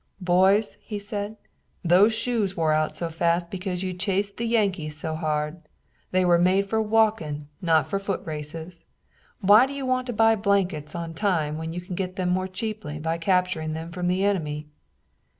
"Boys," he said, "those shoes wore out so fast because you chased the Yankees so hard. They were made for walking, not for foot races. Why do you want to buy blankets on time when you can get them more cheaply by capturing them from the enemy?"